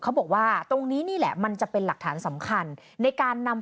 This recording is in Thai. เขาบอกว่าตรงนี้นี่แหละมันจะเป็นหลักฐานสำคัญในการนำ